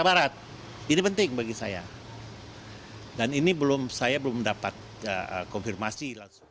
barat ini penting bagi saya dan ini belum saya belum dapat konfirmasi terkait nama kapitra ampera